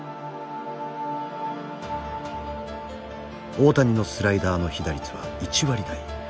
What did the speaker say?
大谷のスライダーの被打率は１割台。